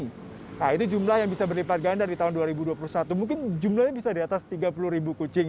nah ini jumlah yang bisa berlipat ganda di tahun dua ribu dua puluh satu mungkin jumlahnya bisa di atas tiga puluh ribu kucing